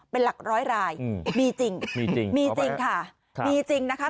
เป็นหลักร้อยรายมีจริงมีจริงมีจริงค่ะมีจริงนะคะ